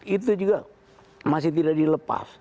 itu juga masih tidak dilepas